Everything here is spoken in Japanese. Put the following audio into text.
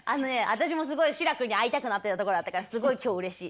私もすごい志らくに会いたくなってたところだったからすごい今日うれしい。